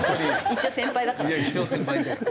一応先輩だからね。